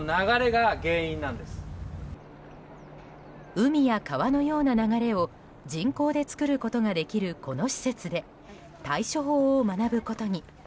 海や川のような流れを人工で作ることができるこの施設で対処法を学ぶことに。